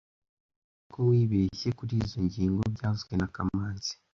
Nizere ko wibeshye kurizoi ngingo byavuzwe na kamanzi